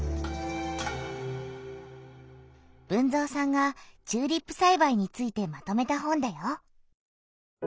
豊造さんがチューリップさいばいについてまとめた本だよ。